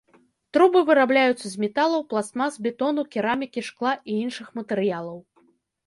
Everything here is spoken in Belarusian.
Трубы вырабляюцца з металаў, пластмас, бетону, керамікі, шкла і іншых матэрыялаў.